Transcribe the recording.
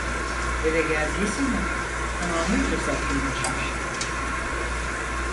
Eve geldiği zaman tamamıyla sakinleşmişti.